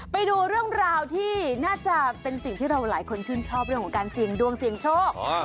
ไปดูเรื่องราวที่น่าจะเป็นสิ่งที่เราหลายคนชื่นชอบเรื่องของการเสี่ยงดวงเสี่ยงโชค